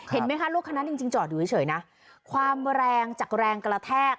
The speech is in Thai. เห็นไหมคะลูกคันนั้นจริงจริงจอดอยู่เฉยนะความแรงจากแรงกระแทก